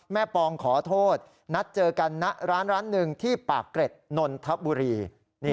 ปองขอโทษนัดเจอกันณร้านร้านหนึ่งที่ปากเกร็ดนนทบุรี